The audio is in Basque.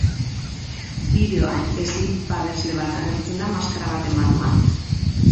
Bideoan slip-babesle bat agertzen da maskara baten barruan.